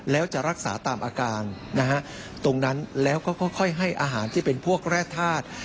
แล้วจะรักษาตามอาการนะฮะตรงนั้นแล้วก็ค่อยให้อาหารที่เป็นพวกแร่ธาตุ